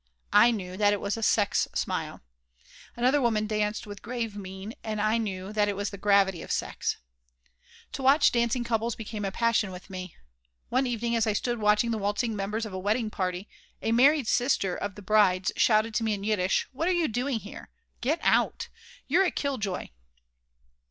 I knew that it was a sex smile. Another woman danced with grave mien, and I knew that it was the gravity of sex To watch dancing couples became a passion with me. One evening, as I stood watching the waltzing members of a wedding party, a married sister of the bride's shouted to me in Yiddish: "What are you doing here? Get out. You're a kill joy."